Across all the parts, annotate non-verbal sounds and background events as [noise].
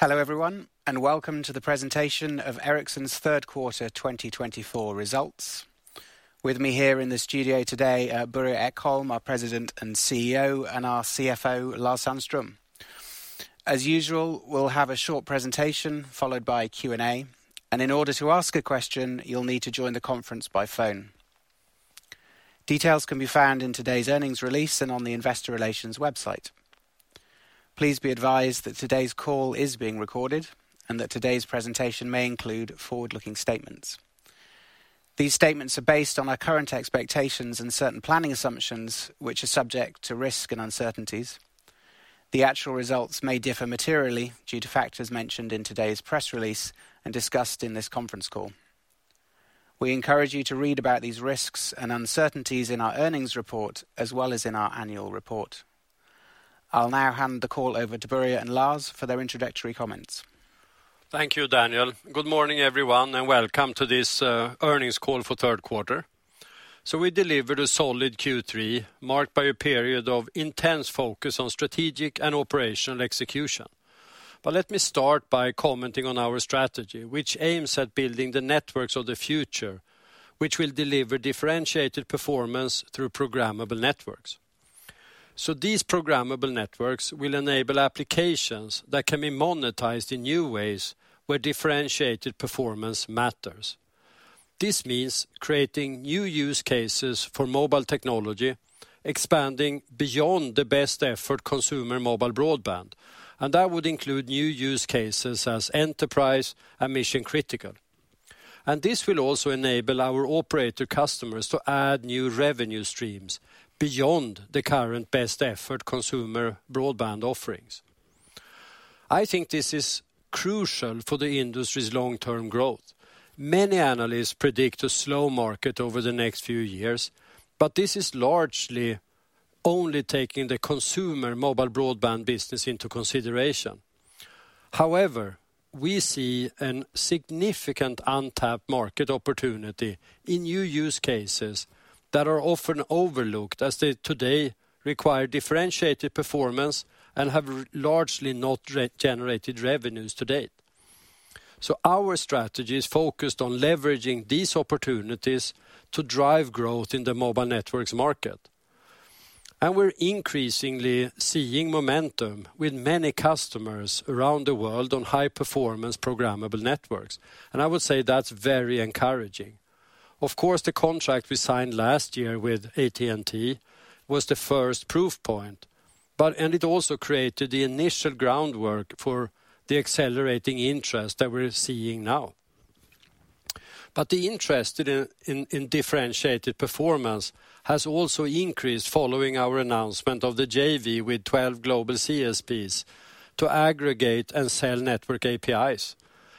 Hello, everyone, and welcome to the presentation of Ericsson's Q3 2024 results. With me here in the studio today are Börje Ekholm, our President and CEO, and our CFO, Lars Sandström. As usual, we'll have a short presentation, followed by Q&A. And in order to ask a question, you'll need to join the conference by phone. Details can be found in today's earnings release and on the investor relations website. Please be advised that today's call is being recorded and that today's presentation may include forward-looking statements. These statements are based on our current expectations and certain planning assumptions, which are subject to risk and uncertainties. The actual results may differ materially due to factors mentioned in today's press release and discussed in this conference call. We encourage you to read about these risks and uncertainties in our earnings report, as well as in our annual report. I'll now hand the call over to Börje and Lars for their introductory comments. Thank you, Daniel. Good morning, everyone, and welcome to this earnings call for Q3. So we delivered a solid Q3, marked by a period of intense focus on strategic and operational execution. But let me start by commenting on our strategy, which aims at building the networks of the future, which will deliver differentiated performance through programmable networks. So these programmable networks will enable applications that can be monetized in new ways, where differentiated performance matters. This means creating new use cases for mobile technology, expanding beyond the best effort consumer mobile broadband, and that would include new use cases as enterprise and mission-critical. And this will also enable our operator customers to add new revenue streams beyond the current best effort consumer broadband offerings. This is crucial for the industry's long-term growth. Many analysts predict a slow market over the next few years, but this is largely only taking the consumer mobile broadband business into consideration. However, we see a significant untapped market opportunity in new use cases that are often overlooked, as they today require differentiated performance and have largely not regenerated revenues to date. Our strategy is focused on leveraging these opportunities to drive growth in the mobile networks market. We're increasingly seeing momentum with many customers around the world on high-performance programmable networks, and I would say that's very encouraging. Of course, the contract we signed last year with AT&T was the first proof point, but it also created the initial groundwork for the accelerating interest that we're seeing now. But the interest in differentiated performance has also increased following our announcement of the JV with 12 global CSPs to aggregate and sell network APIs.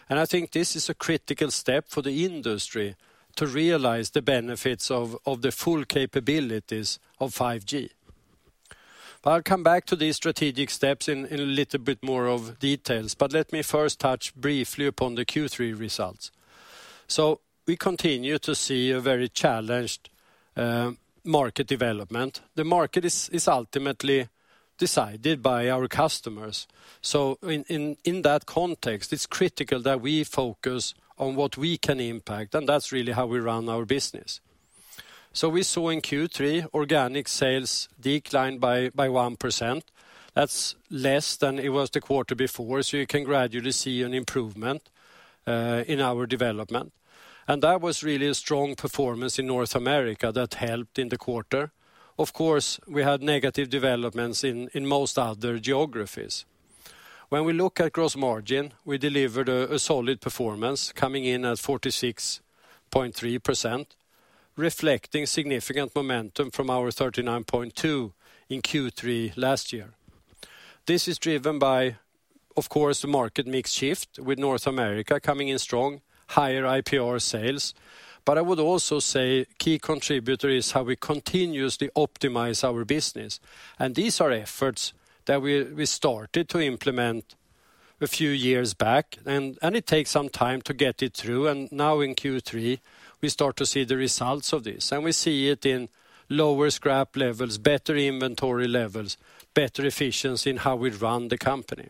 This is a critical step for the industry to realize the benefits of the full capabilities of 5G. But I'll come back to these strategic steps in a little bit more of details, but let me first touch briefly upon the Q3 results. So we continue to see a very challenged market development. The market is ultimately decided by our customers. So in that context, it's critical that we focus on what we can impact, and that's really how we run our business. So we saw in Q3, organic sales declined by 1%. That's less than it was the quarter before, so you can gradually see an improvement in our development. That was really a strong performance in North America that helped in the quarter. Of course, we had negative developments in most other geographies. When we look at gross margin, we delivered a solid performance, coming in at 46.3%, reflecting significant momentum from our 39.2 in Q3 last year. This is driven by, of course, the market mix shift, with North America coming in strong, higher IPR sales. But I would also say key contributor is how we continuously optimize our business, and these are efforts that we started to implement a few years back, and it takes some time to get it through. Now in Q3, we start to see the results of this, and we see it in lower scrap levels, better inventory levels, better efficiency in how we run the company.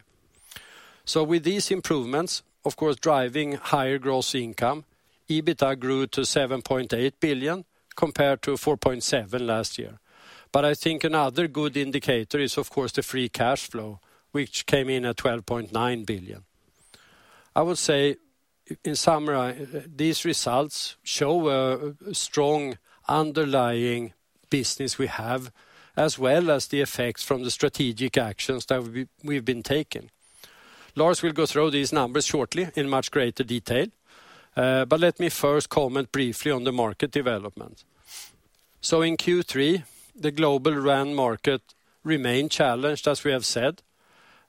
With these improvements, of course, driving higher gross income, EBITDA grew to 7.8 billion, compared to 4.7 billion last year. Another good indicator is, of course, the free cash flow, which came in at 12.9 billion. I would say, in summary, these results show a strong underlying business we have, as well as the effects from the strategic actions that we've been taking. Lars will go through these numbers shortly in much greater detail, but let me first comment briefly on the market development. In Q3, the global RAN market remained challenged, as we have said.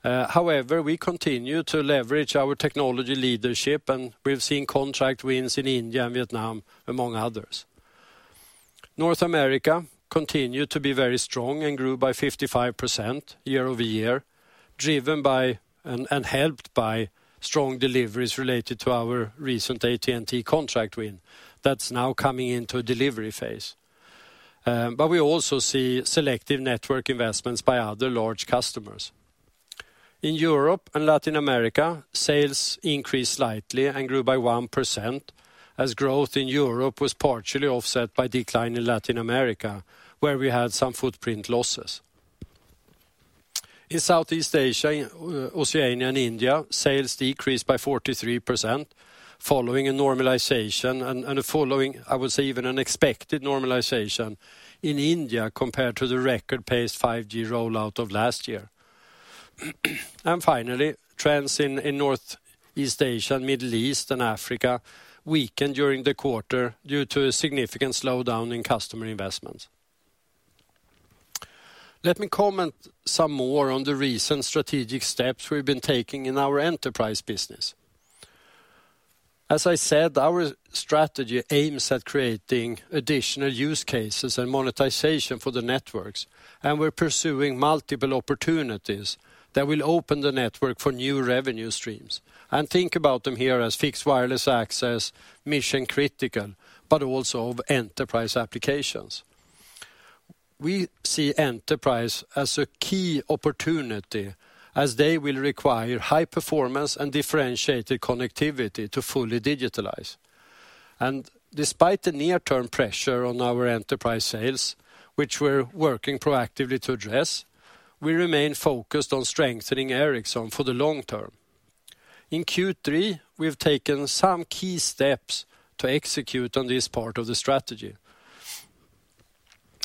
However, we continue to leverage our technology leadership, and we've seen contract wins in India and Vietnam, among others. North America continued to be very strong and grew by 55% year-over-year, driven by and helped by strong deliveries related to our recent AT&T contract win that's now coming into a delivery phase. But we also see selective network investments by other large customers. In Europe and Latin America, sales increased slightly and grew by 1%, as growth in Europe was partially offset by decline in Latin America, where we had some footprint losses. In Southeast Asia, Oceania, and India, sales decreased by 43%, following a normalization and a following, I would say, even an expected normalization in India compared to the record-paced 5G rollout of last year. And finally, trends in Northeast Asia, Middle East, and Africa weakened during the quarter due to a significant slowdown in customer investments. Let me comment some more on the recent strategic steps we've been taking in our enterprise business. As I said, our strategy aims at creating additional use cases and monetization for the networks, and we're pursuing multiple opportunities that will open the network for new revenue streams. And think about them here as fixed wireless access, mission-critical, but also of enterprise applications. We see enterprise as a key opportunity, as they will require high performance and differentiated connectivity to fully digitalize. And despite the near-term pressure on our enterprise sales, which we're working proactively to address, we remain focused on strengthening Ericsson for the long term. In Q3, we've taken some key steps to execute on this part of the strategy.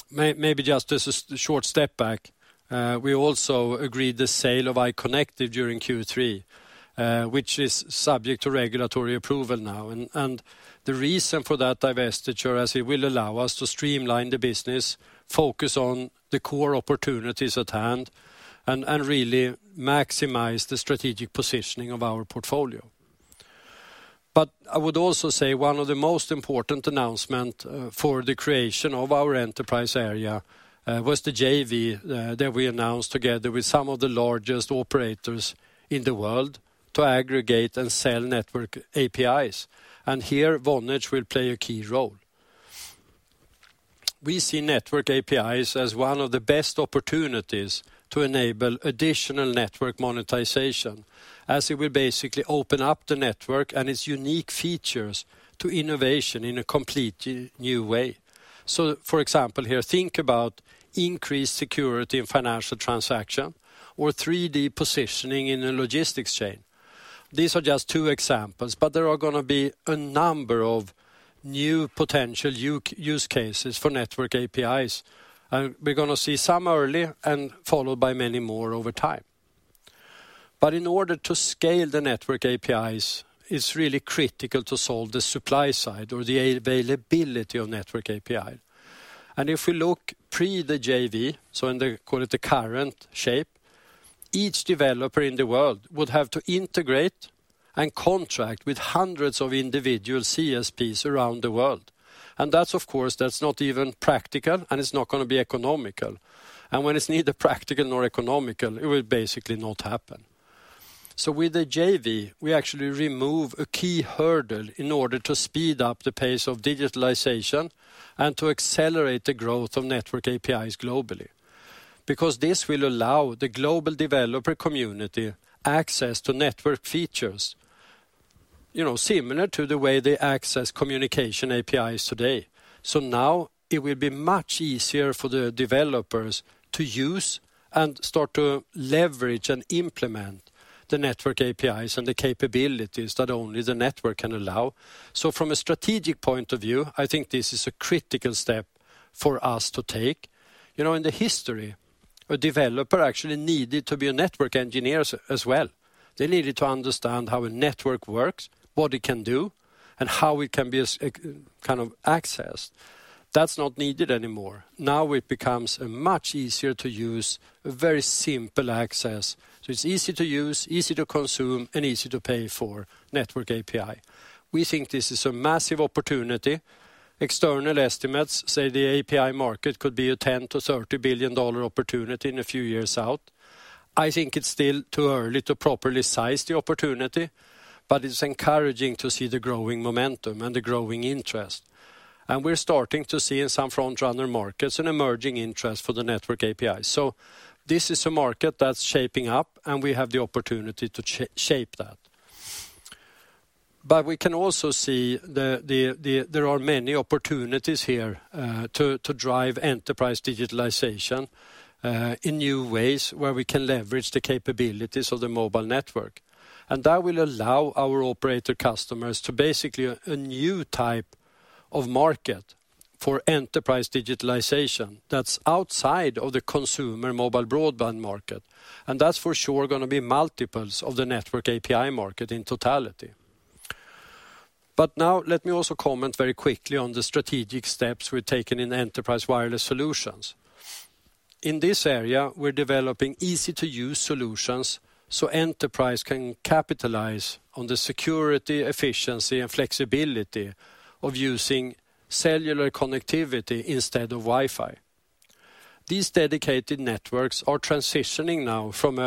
Maybe just as a short step back, we also agreed the sale of iconectiv during Q3, which is subject to regulatory approval now. The reason for that divestiture, as it will allow us to streamline the business, focus on the core opportunities at hand, and really maximize the strategic positioning of our portfolio. But I would also say one of the most important announcement for the creation of our enterprise area was the JV that we announced together with some of the largest operators in the world to aggregate and sell network APIs. And here, Vonage will play a key role. We see network APIs as one of the best opportunities to enable additional network monetization, as it will basically open up the network and its unique features to innovation in a completely new way. So, for example, here, think about increased security in financial transaction or 3D positioning in a logistics chain. These are just two examples, but there are gonna be a number of new potential use cases for network APIs, and we're gonna see some early and followed by many more over time. But in order to scale the network APIs, it's really critical to solve the supply side or the availability of network API. And if we look pre the JV, so, call it, the current shape, each developer in the world would have to integrate and contract with hundreds of individual CSPs around the world. And that's, of course, not even practical, and it's not gonna be economical. And when it's neither practical nor economical, it will basically not happen. So with the JV, we actually remove a key hurdle in order to speed up the pace of digitalization and to accelerate the growth of network APIs globally. Because this will allow the global developer community access to network features similar to the way they access communication APIs today. So now it will be much easier for the developers to use and start to leverage and implement the network APIs and the capabilities that only the network can allow. So from a strategic point of view, this is a critical step for us to take. In the history, a developer actually needed to be a network engineer as, as well. They needed to understand how a network works, what it can do, and how it can be as, kind of accessed. That's not needed anymore. Now it becomes a much easier to use, a very simple access, so it's easy to use, easy to consume, and easy to pay for network API. We think this is a massive opportunity. External estimates say the API market could be a $10-$30 billion opportunity in a few years out. It's still too early to properly size the opportunity, but it's encouraging to see the growing momentum and the growing interest. And we're starting to see in some front-runner markets, an emerging interest for the network API. So this is a market that's shaping up, and we have the opportunity to shape that. But we can also see the There are many opportunities here, to drive enterprise digitalization, in new ways, where we can leverage the capabilities of the mobile network. And that will allow our operator customers to basically a new type of market for enterprise digitalization that's outside of the consumer mobile broadband market. And that's for sure gonna be multiples of the network API market in totality. But now, let me also comment very quickly on the strategic steps we've taken in enterprise wireless solutions. In this area, we're developing easy-to-use solutions so enterprise can capitalize on the security, efficiency, and flexibility of using cellular connectivity instead of Wi-Fi. These dedicated networks are transitioning now from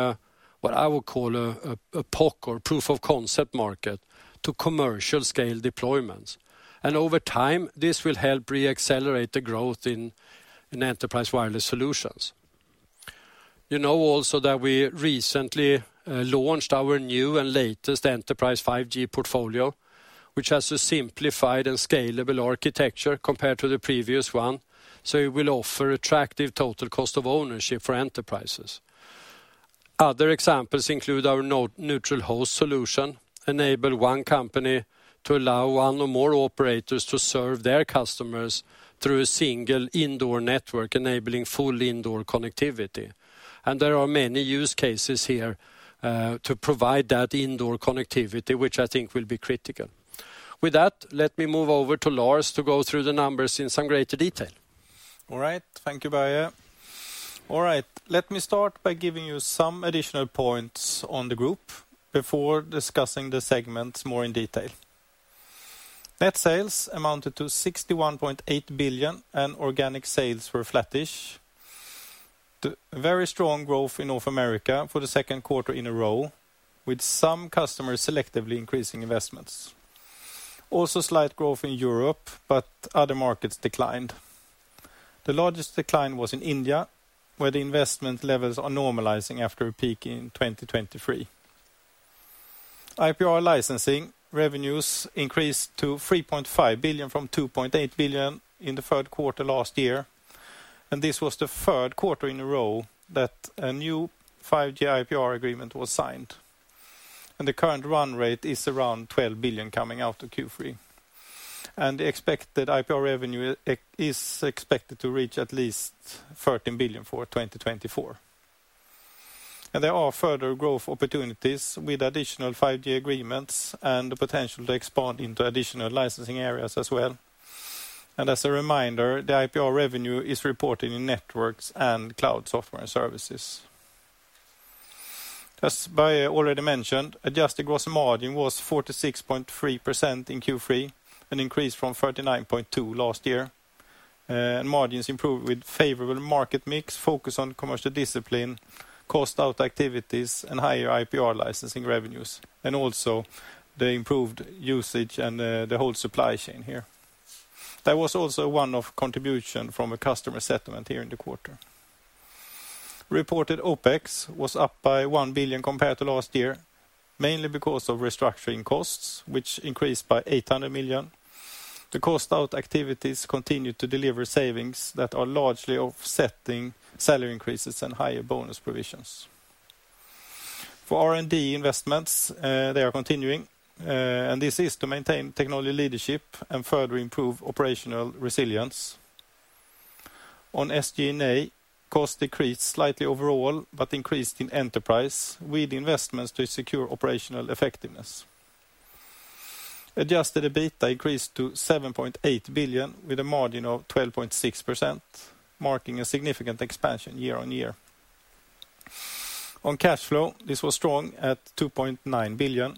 what I would call a POC or proof of concept market to commercial scale deployments, and over time, this will help re-accelerate the growth in enterprise wireless solutions. We recently launched our new and latest enterprise 5G portfolio, which has a simplified and scalable architecture compared to the previous one, so it will offer attractive total cost of ownership for enterprises. Other examples include our neutral host solution, enable one company to allow one or more operators to serve their customers through a single indoor network, enabling full indoor connectivity. There are many use cases here to provide that indoor connectivity, which will be critical. With that, let me move over to Lars to go through the numbers in some greater detail. All right. Thank you, Börje. All right, let me start by giving you some additional points on the group before discussing the segments more in detail. Net sales amounted to 61.8 billion, and organic sales were flattish. The very strong growth in North America for the Q2 in a row, with some customers selectively increasing investments. Also, slight growth in Europe, but other markets declined. The largest decline was in India, where the investment levels are normalizing after a peak in 2023. IPR licensing revenues increased to 3.5 billion from 2.8 billion in the Q3 last year, and this was the Q3 in a row that a new 5G IPR agreement was signed. And the current run rate is around 12 billion coming out of Q3. The expected IPR revenue is expected to reach at least 13 billion SEK for 2024. There are further growth opportunities with additional 5G agreements and the potential to expand into additional licensing areas as well. As a reminder, the IPR revenue is reported in Networks and Cloud Software and Services. As Börje already mentioned, adjusted gross margin was 46.3% in Q3, an increase from 39.2% last year. And margins improved with favorable market mix, focus on commercial discipline, cost out activities, and higher IPR licensing revenues, and also the improved usage and the whole supply chain here. There was also one-off contribution from a customer settlement here in the quarter. Reported OpEx was up by 1 billion SEK compared to last year, mainly because of restructuring costs, which increased by 800 million SEK. The cost out activities continued to deliver savings that are largely offsetting salary increases and higher bonus provisions. For R&D investments, they are continuing, and this is to maintain technology leadership and further improve operational resilience. On SG&A, costs decreased slightly overall, but increased in enterprise, with investments to secure operational effectiveness. Adjusted EBITDA increased to 7.8 billion, with a margin of 12.6%, marking a significant expansion year on year. On cash flow, this was strong at 2.9 billion.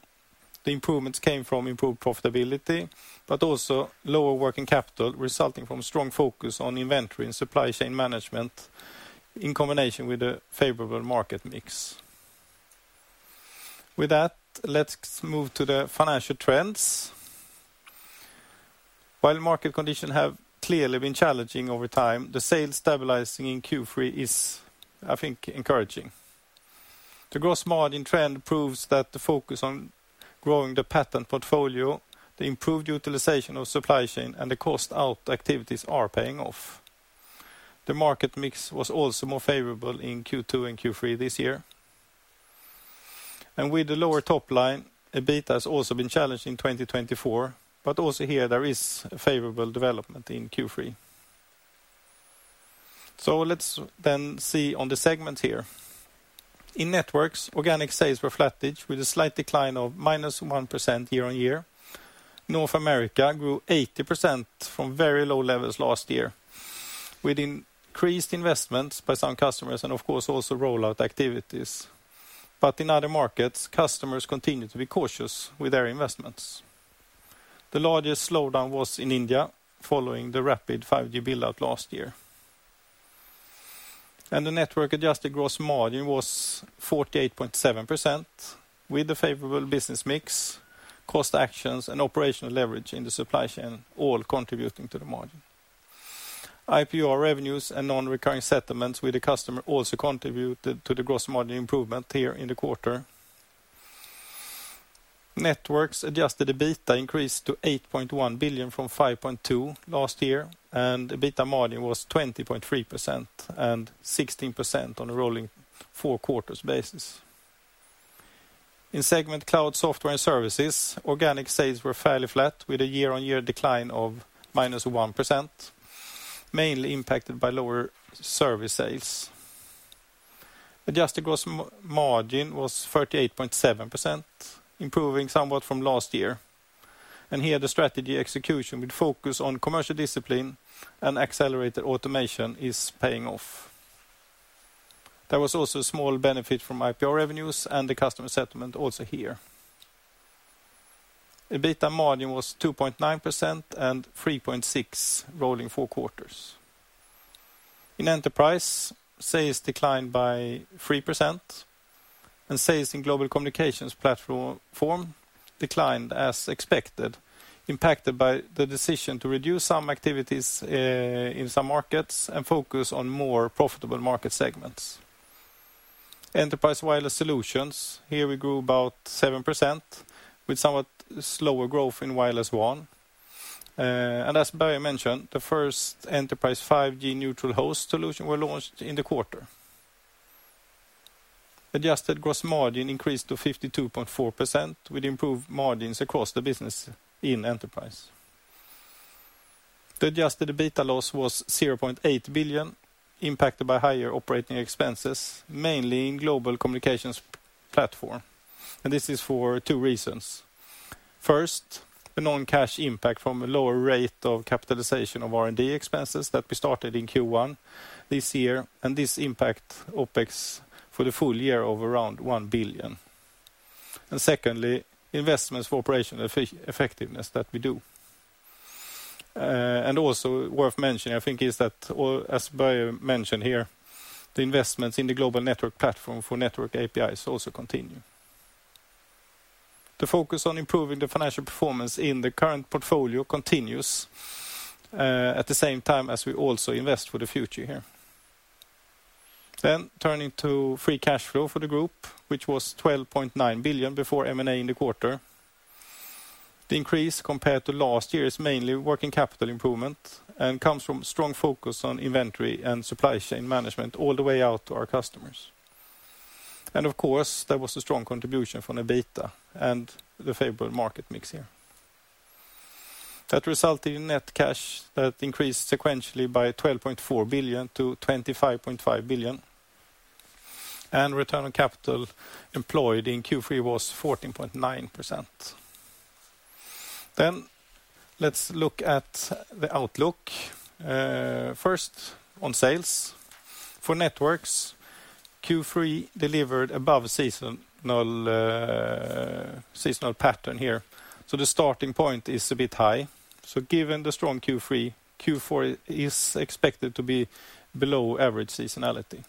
The improvements came from improved profitability, but also lower working capital, resulting from strong focus on inventory and supply chain management, in combination with a favorable market mix. With that, let's move to the financial trends. While market conditions have clearly been challenging over time, the sales stabilizing in Q3 is encouraging. The gross margin trend proves that the focus on growing the patent portfolio, the improved utilization of supply chain, and the cost out activities are paying off. The market mix was also more favorable in Q2 and Q3 this year, and with the lower top line, EBITDA has also been challenged in twenty twenty-four, but also here, there is a favorable development in Q3, so let's then see on the segments here. In Networks, organic sales were flattish, with a slight decline of minus 1% year on year. North America grew 80% from very low levels last year, with increased investments by some customers and of course, also rollout activities, but in other markets, customers continued to be cautious with their investments. The largest slowdown was in India, following the rapid 5G build-out last year. The network-adjusted gross margin was 48.7%, with a favorable business mix, cost actions, and operational leverage in the supply chain, all contributing to the margin. IPR revenues and non-recurring settlements with the customer also contributed to the gross margin improvement here in the quarter. Networks adjusted EBITDA increased to 8.1 billion from 5.2 billion last year, and EBITDA margin was 20.3% and 16% on a rolling four quarters basis. In segment Cloud Software and Services, organic sales were fairly flat, with a year-on-year decline of -1%, mainly impacted by lower service sales. Adjusted gross margin was 38.7%, improving somewhat from last year, and here the strategy execution with focus on commercial discipline and accelerated automation is paying off. There was also a small benefit from IPR revenues and the customer settlement also here. EBITDA margin was 2.9% and 3.6 rolling four quarters. In Enterprise, sales declined by 3%, and sales in Global Communications Platform declined as expected, impacted by the decision to reduce some activities in some markets and focus on more profitable market segments. Enterprise Wireless Solutions, here we grew about 7%, with somewhat slower growth in Wireless WAN. And as Börje mentioned, the first Enterprise 5G neutral host solution were launched in the quarter. Adjusted gross margin increased to 52.4%, with improved margins across the business in Enterprise. The adjusted EBITDA loss was 0.8 billion, impacted by higher operating expenses, mainly in Global Communications Platform, and this is for two reasons. First, the non-cash impact from a lower rate of capitalization of R&D expenses that we started in Q1 this year, and this impact on OpEx for the full year of around 1 billion. And secondly, investments for operational effectiveness that we do. And also worth mentioning is that, or as Börje mentioned here, the investments in the global network platform for network APIs also continue. The focus on improving the financial performance in the current portfolio continues at the same time as we also invest for the future here. Then turning to free cash flow for the group, which was 12.9 billion before M&A in the quarter. The increase compared to last year is mainly working capital improvement and comes from strong focus on inventory and supply chain management all the way out to our customers. Of course, there was a strong contribution from the EBITDA and the favorable market mix here. That resulted in net cash that increased sequentially by 12.4 billion to 25.5 billion, and return on capital employed in Q3 was 14.9%. Let's look at the outlook. First, on sales. For Networks, Q3 delivered above seasonal pattern here, so the starting point is a bit high. Given the strong Q3, Q4 is expected to be below average seasonality.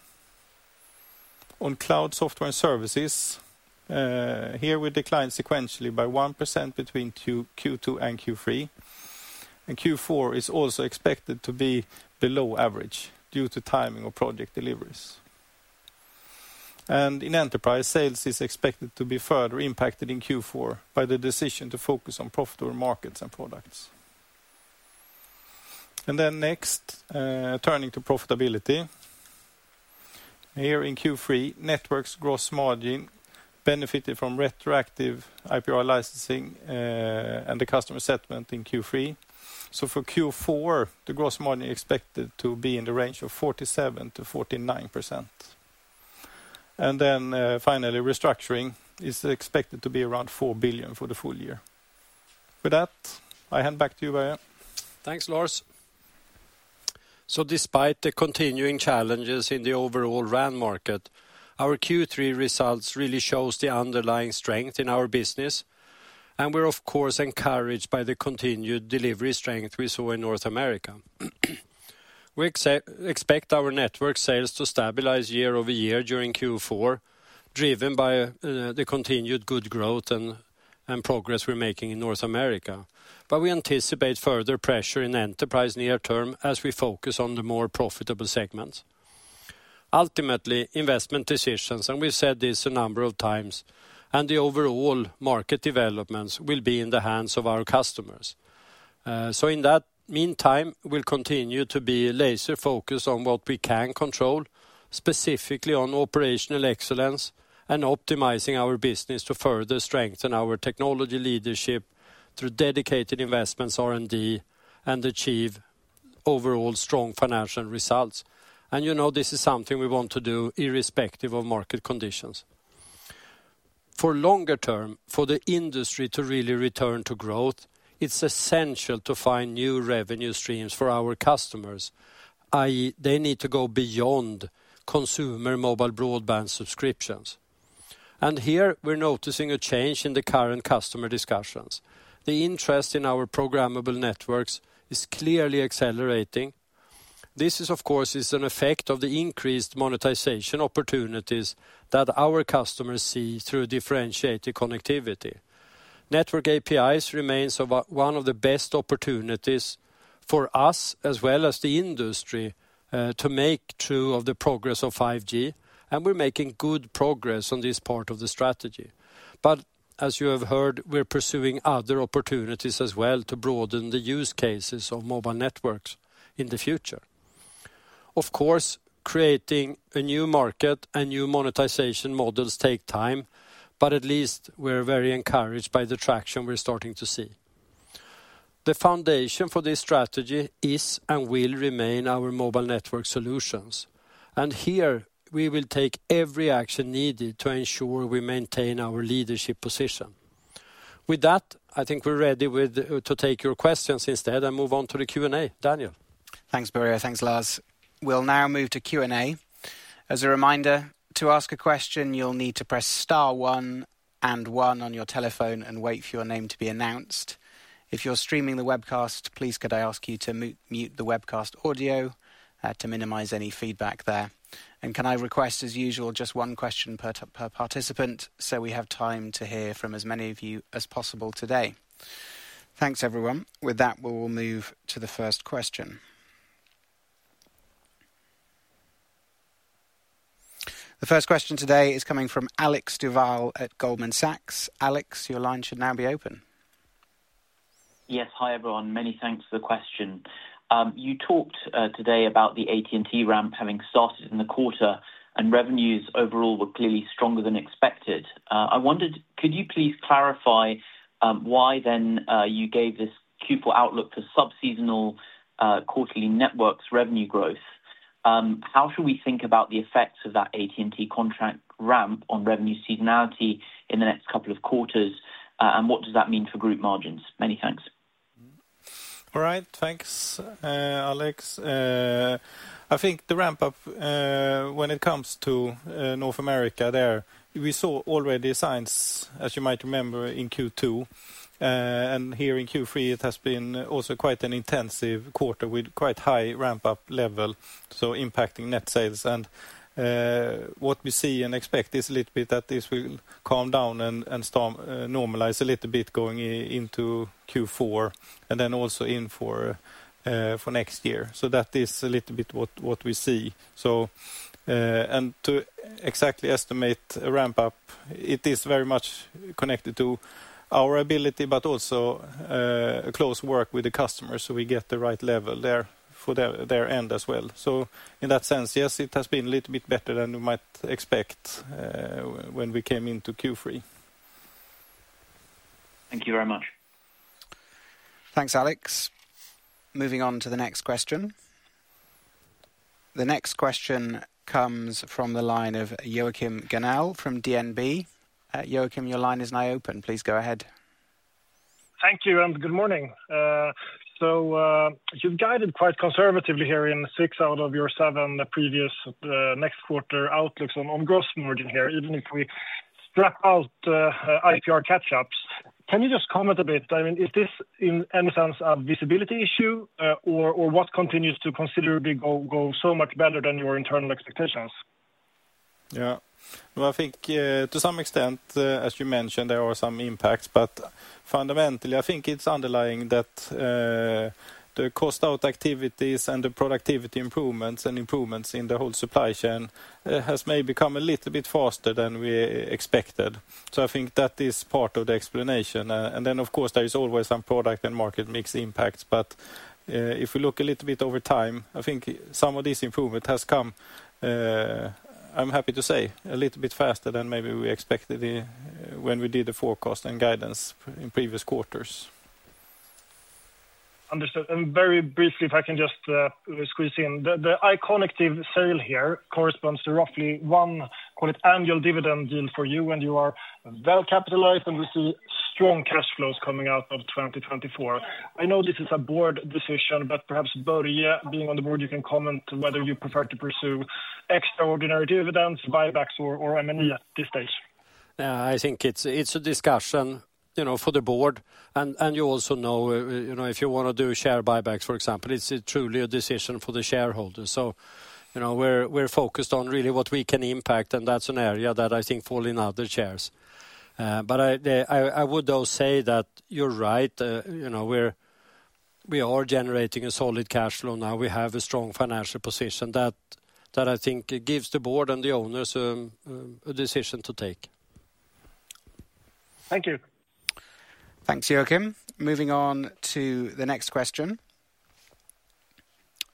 On Cloud Software and Services, here we declined sequentially by 1% between Q2 and Q3, and Q4 is also expected to be below average due to timing of project deliveries. In Enterprise, sales is expected to be further impacted in Q4 by the decision to focus on profitable markets and products. Turning to profitability. Here in Q3, Networks gross margin benefited from retroactive IPR licensing, and the customer settlement in Q3. So for Q4, the gross margin expected to be in the range of 47% to 49%. And then, finally, restructuring is expected to be around 4 billion for the full year. With that, I hand back to you, Börje. Thanks, Lars. So despite the continuing challenges in the overall RAN market, our Q3 results really show the underlying strength in our business, and we're of course encouraged by the continued delivery strength we saw in North America. We expect our network sales to stabilize year over year during Q4, driven by the continued good growth and progress we're making in North America. But we anticipate further pressure in Enterprise near term as we focus on the more profitable segments. Ultimately, investment decisions, and we've said this a number of times, and the overall market developments will be in the hands of our customers. So in that meantime, we'll continue to be laser-focused on what we can control, specifically on operational excellence and optimizing our business to further strengthen our technology leadership through dedicated investments, R&D, and achieve overall strong financial results. This is something we want to do irrespective of market conditions. For longer term, for the industry to really return to growth, it's essential to find new revenue streams for our customers, i.e., they need to go beyond consumer mobile broadband subscriptions. Here, we're noticing a change in the current customer discussions. The interest in our Programmable Networks is clearly accelerating. This is, of course, an effect of the increased monetization opportunities that our customers see through differentiated connectivity. Network APIs remains one of the best opportunities for us, as well as the industry, to make true of the progress of 5G, and we're making good progress on this part of the strategy. As you have heard, we're pursuing other opportunities as well to broaden the use cases of mobile networks in the future. Of course, creating a new market and new monetization models take time, but at least we're very encouraged by the traction we're starting to see. The foundation for this strategy is and will remain our mobile network solutions, and here, we will take every action needed to ensure we maintain our leadership position. With that, we're ready to take your questions instead and move on to the Q&A. Daniel? Thanks, Börje. Thanks, Lars. We'll now move to Q&A. As a reminder, to ask a question, you'll need to press star one and one on your telephone and wait for your name to be announced. If you're streaming the webcast, please, could I ask you to mute the webcast audio to minimize any feedback there? And can I request, as usual, just one question per participant, so we have time to hear from as many of you as possible today. Thanks, everyone. With that, we will move to the first question. The first question today is coming from Alex Duval at Goldman Sachs. Alex, your line should now be open. Hi, everyone. Many thanks for the question. You talked today about the AT&T ramp having started in the quarter, and revenues overall were clearly stronger than expected. I wondered, could you please clarify why then you gave this Q4 outlook for sub-seasonal quarterly networks revenue growth? How should we think about the effects of that AT&T contract ramp on revenue seasonality in the next couple of quarters, and what does that mean for group margins? Many thanks. All right. Thanks, Alex. The ramp up when it comes to North America there, we saw already signs, as you might remember, in Q2. And here in Q3, it has been also quite an intensive quarter with quite high ramp-up level, so impacting net sales. And what we see and expect is a little bit that this will calm down and start normalize a little bit going into Q4, and then also into next year. So that is a little bit what we see. To exactly estimate a ramp up, it is very much connected to our ability, but also close work with the customers, so we get the right level there for their end as well. In that sense, yes, it has been a little bit better than you might expect, when we came into Q3. Thank you very much. Thanks, Alex. Moving on to the next question. The next question comes from the line of Joachim Gunell from DNB. Joakim, your line is now open. Please go ahead. Thank you, and good morning. So, you've guided quite conservatively here in six out of your seven previous next quarter outlooks on gross margin here, even if we strap out IPR catch-ups. Can you just comment a bit? Is this, in any sense, a visibility issue, or what continues to considerably go so much better than your internal expectations? Yeah. To some extent, as you mentioned, there are some impacts. But fundamentally, it's underlying that, the cost out activities and the productivity improvements and improvements in the whole supply chain, has maybe become a little bit faster than we expected. That is part of the explanation. And then, of course, there is always some product and market mix impacts. But, if you look a little bit over time, some of this improvement has come, I'm happy to say, a little bit faster than maybe we expected it, when we did the forecast and guidance in previous quarters. Understood. And very briefly, if I can just squeeze in. The iconectiv sale here corresponds to roughly one, call it, annual dividend deal for you, and you are well capitalized, and we see strong cash flows coming out of 2024. I know this is a board decision, but perhaps, Börje, being on the board, you can comment whether you prefer to pursue extraordinary dividends, buybacks, or M&A at this stage. Yeah, It's a discussion for the board. If you wanna do share buybacks, for example, it's truly a decision for the shareholders. We're, we're focused on really what we can impact, and that's an area that falls in other hands. I would, though, say that you're right. We're generating a solid cash flow now. We have a strong financial position that gives the board and the owners a decision to take. Thank you. Thanks, Joakim. Moving on to the next question.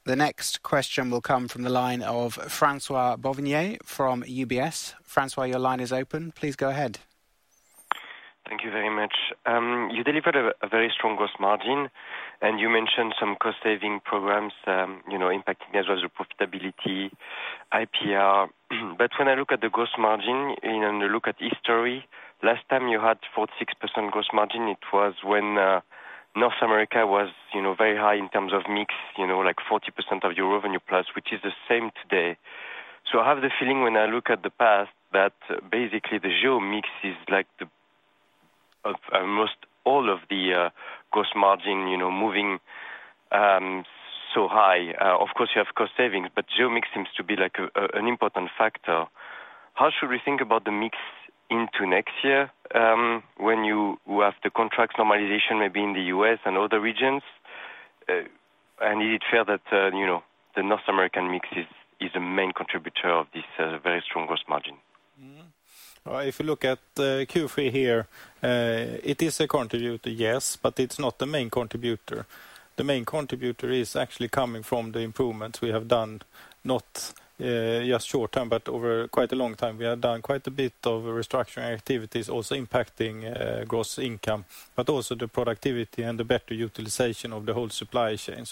The next question will come from the line of François-Xavier Bouvignies from UBS. François-Xavier, your line is open. Please go ahead. Thank you very much. You delivered a very strong gross margin, and you mentioned some cost-saving programs impacting as well as your profitability, IPR. But when I look at the gross margin and I look at history, last time you had 46% gross margin, it was when North America was very high in terms of mix like 40% of your revenue plus, which is the same today. So I have the feeling when I look at the past, that basically, the geo mix is like almost all of the gross margin, moving so high. Of course, you have cost savings, but geo mix seems to be like an important factor? How should we think about the mix into next year, when you will have the contract normalization, maybe in the U.S. and other regions? I need to feel that, the North American mix is a main contributor of this, very strong gross margin? If you look at Q3 here, it is a contributor, yes, but it's not the main contributor. The main contributor is actually coming from the improvements we have done, not just short term, but over quite a long time. We have done quite a bit of restructuring activities, also impacting gross income, but also the productivity and the better utilization of the whole supply chain.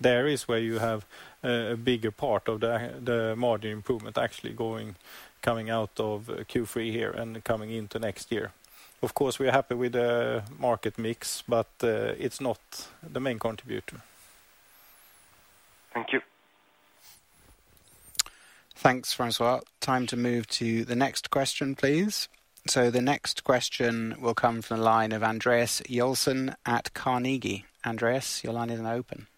There is where you have a bigger part of the margin improvement actually going... Coming out of Q3 here and coming into next year. Of course, we're happy with the market mix, but it's not the main contributor. Thank you. Thanks, François. Time to move to the next question, please. The next question will come from the line of Andreas Joelsson at Carnegie. Andreas, your line is now open.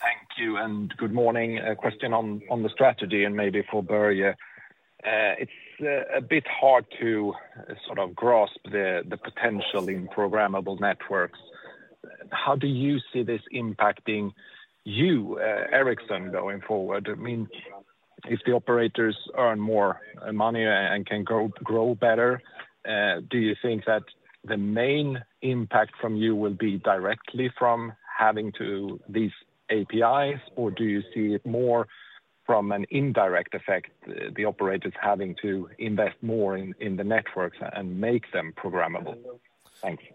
Thank you, and good morning. A question on the strategy, and maybe for Börje. It's a bit hard to sort of grasp the potential in programmable networks. How do you see this impacting you, Ericsson, going forward? If the operators earn more money and can grow better, do you think that the main impact from you will be directly from having to do these APIs, or do you see it more from an indirect effect, the operators having to invest more in the networks and make them programmable? Thank you.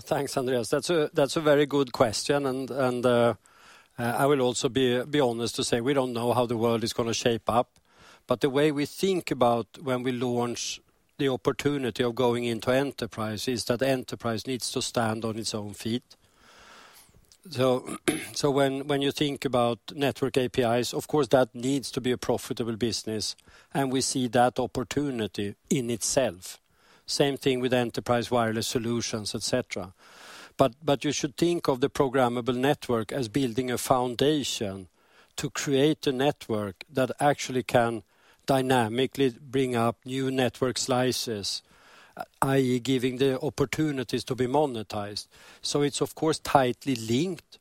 Thanks, Andreas. That's a very good question, and I will also be honest to say we don't know how the world is gonna shape up. But the way we think about when we launch the opportunity of going into enterprise, is that enterprise needs to stand on its own feet. So when you think about network APIs, of course, that needs to be a profitable business, and we see that opportunity in itself. Same thing with enterprise wireless solutions, et cetera. But you should think of the programmable network as building a foundation to create a network that actually can dynamically bring up new network slices, i.e., giving the opportunities to be monetized. It's of course, tightly linked.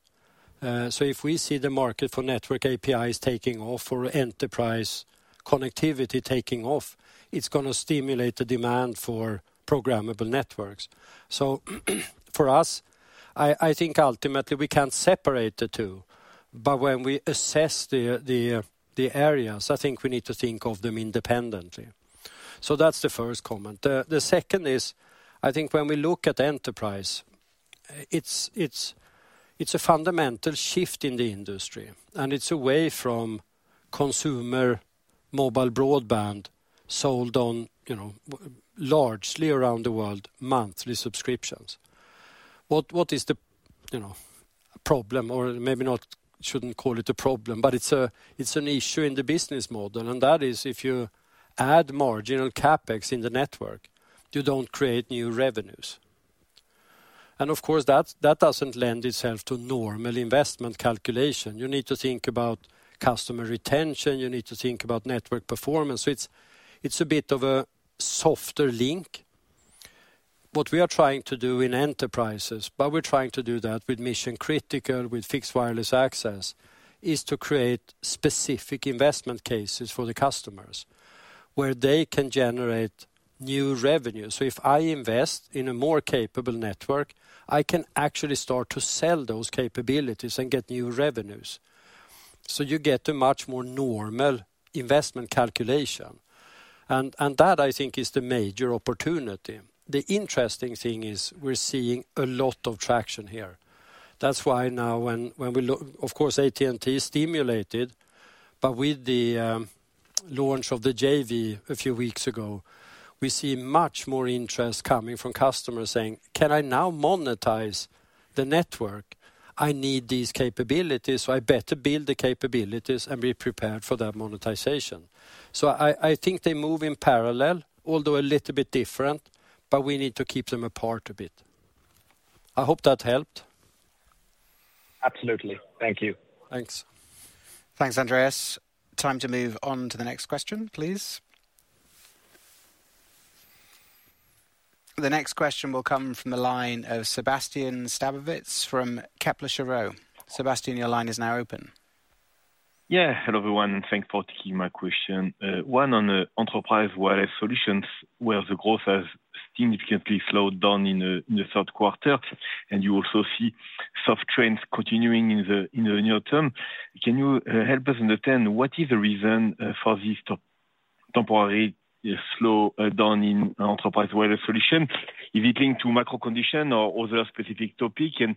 If we see the market for network APIs taking off or enterprise connectivity taking off, it's gonna stimulate the demand for programmable networks. For us, ultimately we can't separate the two, but when we assess the areas, we need to think of them independently. So that's the first comment. The second is, when we look at enterprise, it's a fundamental shift in the industry, and it's away from consumer mobile broadband sold on, largely around the world, monthly subscriptions. What is the problem? Or maybe not, shouldn't call it a problem, but it's an issue in the business model, and that is, if you add marginal CapEx in the network, you don't create new revenues. And of course, that doesn't lend itself to normal investment calculation. You need to think about customer retention, you need to think about network performance. Its a bit of a softer link. What we are trying to do in enterprises, but we're trying to do that with mission-critical, with fixed wireless access, is to create specific investment cases for the customers, where they can generate new revenues. If I invest in a more capable network, I can actually start to sell those capabilities and get new revenues. So you get a much more normal investment calculation, and that is the major opportunity. The interesting thing is we're seeing a lot of traction here. That's why now, when we look, of course, AT&T is stimulated, but with the launch of the JV a few weeks ago, we see much more interest coming from customers saying: "Can I now monetize the network? I need these capabilities, so I better build the capabilities and be prepared for that monetization." They move in parallel, although a little bit different, but we need to keep them apart a bit. I hope that helped. Absolutely. Thank you. Thanks. Thanks, Andreas. Time to move on to the next question, please. The next question will come from the line of Sébastien Sztabowicz from Kepler Cheuvreux. Sébastien, your line is now open. Hello, everyone, and thanks for taking my question. One, on the Enterprise Wireless Solutions, where the growth has significantly slowed down in the Q3, and you also see soft trends continuing in the near term. Can you help us understand what is the reason for this to temporarily slow down in Enterprise Wireless Solution? Is it linked to macro condition or other specific topic, and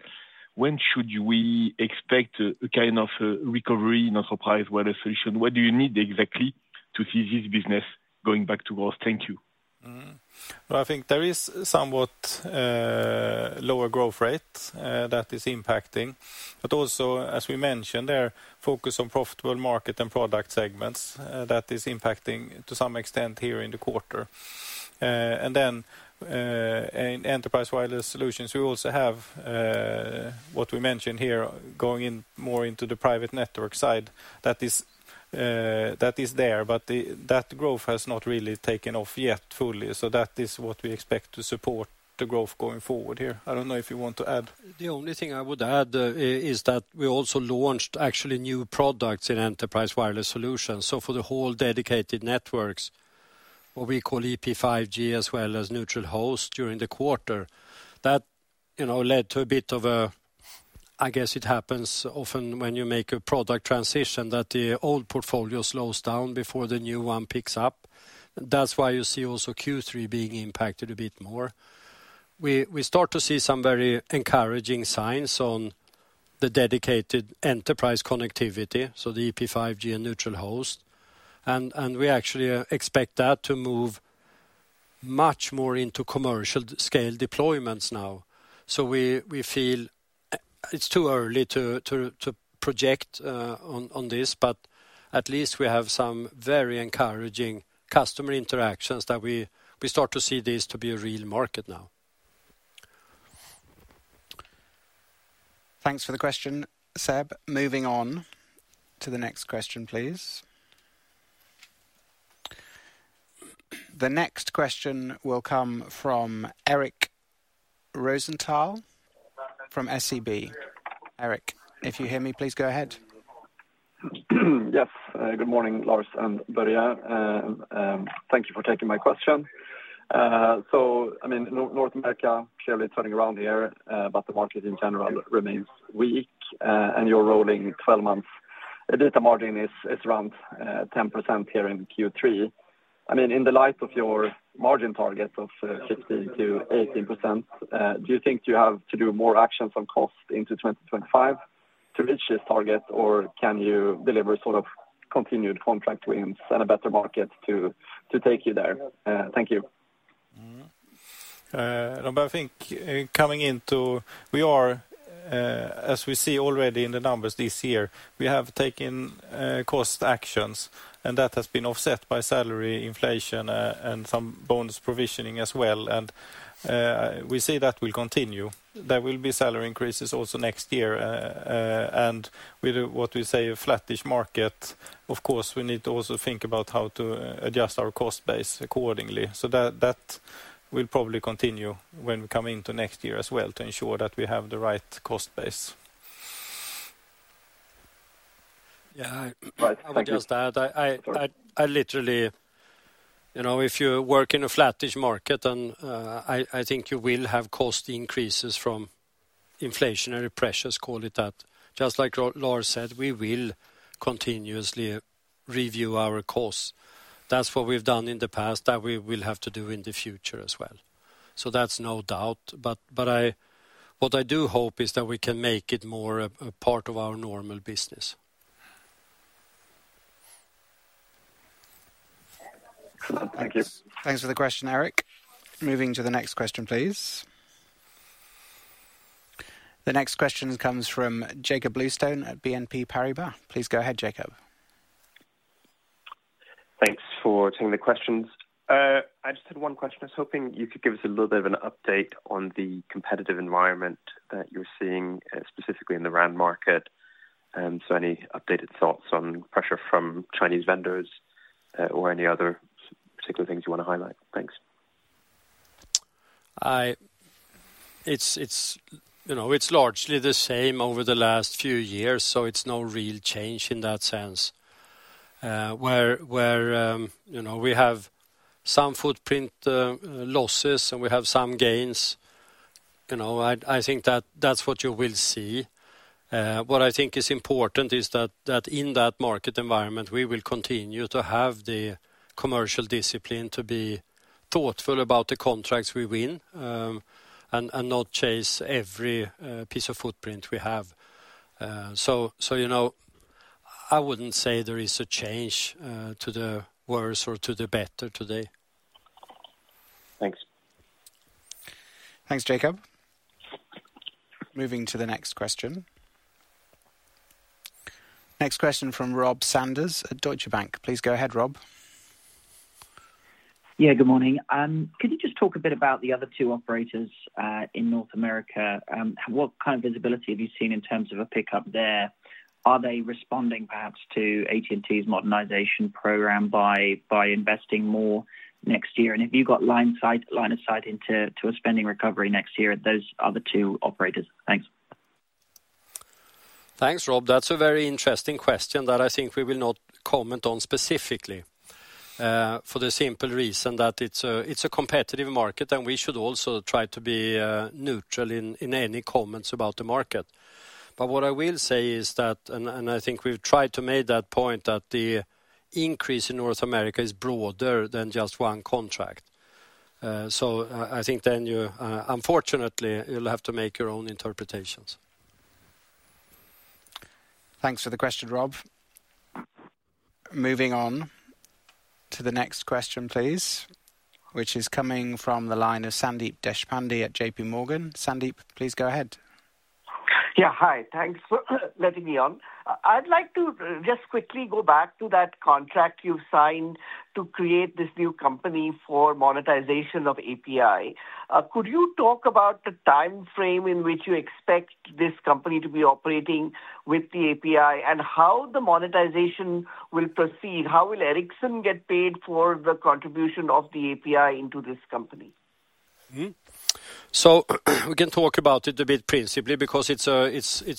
when should we expect a kind of recovery in Enterprise Wireless Solution? What do you need exactly to see this business going back to growth? Thank you. There is somewhat lower growth rate that is impacting, but also, as we mentioned, there are focus on profitable market and product segments that is impacting to some extent here in the quarter. And then, in Enterprise Wireless Solutions, we also have what we mentioned here, going more into the private network side. That is there, but that growth has not really taken off yet fully, so that is what we expect to support the growth going forward here. I don't know if you want to add? The only thing I would add is that we also launched actually new products in Enterprise Wireless Solutions. So for the whole dedicated networks, what we call EP5G as well as Neutral Host during the quarter, that led to a bit of a, I guess it happens often when you make a product transition, that the old portfolio slows down before the new one picks up. That's why you see also Q3 being impacted a bit more. We start to see some very encouraging signs on the dedicated enterprise connectivity, so the EP5G and Neutral Host, and we actually expect that to move much more into commercial scale deployments now. We feel it's too early to project on this, but at least we have some very encouraging customer interactions that we start to see this to be a real market now. Thanks for the question, Seb. Moving on to the next question, please. The next question will come from Erik Röjestål from SEB. Erik, if you hear me, please go ahead. Yes. Good morning, Lars and Börje. Thank you for taking my question. North America clearly turning around here, but the market in general remains weak. And your rolling 12 months EBITDA margin is around 10% here in Q3. In the light of your margin target of 15% to 18%, do you think you have to do more actions on cost into 2025 to reach this target? Or can you deliver sort of continued contract wins and a better market to take you there? Thank you. Coming into, we are, as we see already in the numbers this year, we have taken cost actions, and that has been offset by salary inflation, and some bonus provisioning as well, and we see that will continue. There will be salary increases also next year, and with what we say, a flattish market, of course, we need to also think about how to adjust our cost base accordingly, so that will probably continue when we come into next year as well, to ensure that we have the right cost base. Yeah. Right. Thank you. I would just add, I literally, if you work in a flattish market then, you will have cost increases from inflationary pressures, call it that. Just like Lars said, we will continuously review our costs. That's what we've done in the past, that we will have to do in the future as well. So that's no doubt, but I, what I do hope is that we can make it more a part of our normal business. Thank you. Thanks for the question, Erik. Moving to the next question, please. The next question comes from Jakob Bluestone at BNP Paribas. Please go ahead, Jakob. Thanks for taking the questions. I just had one question. I was hoping you could give us a little bit of an update on the competitive environment that you're seeing, specifically in the RAN market. So any updated thoughts on pressure from Chinese vendors, or any other particular things you wanna highlight? Thanks. It's largely the same over the last few years, so it's no real change in that sense. Where we have some footprint losses, and we have some gains. That's what you will see. What is important is that in that market environment, we will continue to have the commercial discipline to be thoughtful about the contracts we win, and not chase every piece of footprint we have. I wouldn't say there is a change to the worse or to the better today. Thanks. Thanks, Jacob. Moving to the next question. Next question from Rob Sanders at Deutsche Bank. Please go ahead, Rob. Good morning. Could you just talk a bit about the other two operators in North America? What kind of visibility have you seen in terms of a pickup there? Are they responding, perhaps, to AT&T's modernization program by investing more next year? And have you got line of sight into a spending recovery next year, those other two operators? Thanks. Thanks, Rob. That's a very interesting question that we will not comment on specifically, for the simple reason that it's a competitive market, and we should also try to be neutral in any comments about the market. What I will say is that, and we've tried to make that point, that the increase in North America is broader than just one contract. You unfortunately, you'll have to make your own interpretations. Thanks for the question, Rob. Moving on to the next question, please, which is coming from the line of Sandeep Deshpande at JP Morgan. Sandeep, please go ahead. Thanks for letting me on. I'd like to just quickly go back to that contract you signed to create this new company for monetization of API. Could you talk about the timeframe in which you expect this company to be operating with the API, and how the monetization will proceed? How will Ericsson get paid for the contribution of the API into this company? We can talk about it a bit principally because it's